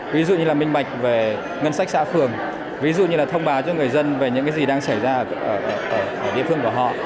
ví dụ như là minh bạch về ngân sách xã phường ví dụ như là thông báo cho người dân về những cái gì đang xảy ra ở địa phương của họ